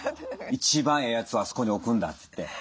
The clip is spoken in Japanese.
一番ええやつをあそこに置くんだって。